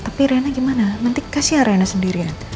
tapi rena gimana nanti kasih area nya sendirian